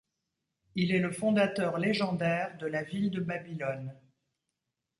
Il est le fondateur légendaire de la ville de Babylone.